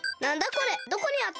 これどこにあった？